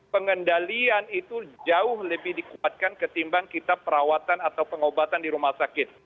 pengendalian itu jauh lebih dikuatkan ketimbang kita perawatan atau pengobatan di rumah sakit